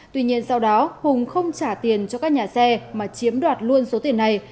tuy nhiên sau đó hùng không trả tiền cho các nhà xe mà chiếm đoạt luôn số tiền này